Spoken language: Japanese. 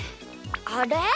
あれ？